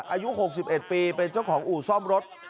อายุ๖๑ปีเป็นเจ้าของอู่ซ่อมรถ